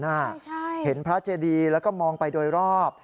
ใช่เห็นพระเจดีแล้วก็มองไปโดยรอบ